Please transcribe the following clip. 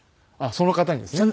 その方にですね。